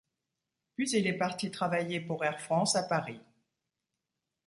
Puis il est parti travailler pour Air France à Paris.